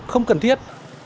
không cần thiết